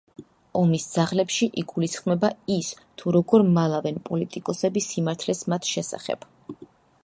ომის ძაღლებში იგულისხმება ის, თუ როგორ მალავენ პოლიტიკოსები სიმართლეს მათ შესახებ.